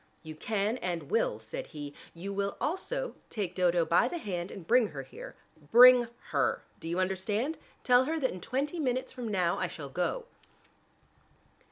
"You can and will," said he. "You will also take Dodo by the hand and bring her here. Bring her, do you understand? Tell her that in twenty minutes from now I shall go."